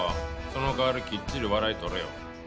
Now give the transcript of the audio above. その代わりきっちり笑い取れよ。